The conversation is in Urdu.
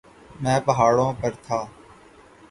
. میں پہاڑوں پر تھا.